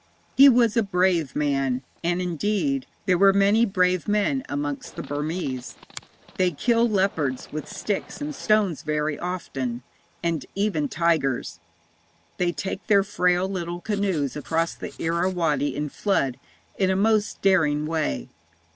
He was a brave man, and, indeed, there are many brave men amongst the Burmese. They kill leopards with sticks and stones very often, and even tigers. They take their frail little canoes across the Irrawaddy in flood in a most daring way.